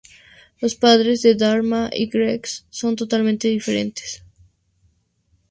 Los padres de Dharma y Greg son totalmente diferentes.